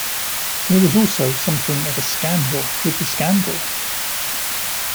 There was also something of a scandal with the scandal.